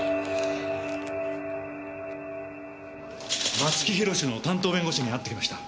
松木弘の担当弁護士に会ってきました。